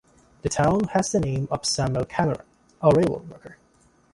The town has the name of Samuel Cameron, a railroad worker.